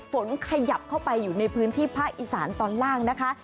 ฝนขยับเข้าไปอยู่ในพื้นที่ภาคอีสานตอนล่างนะคะ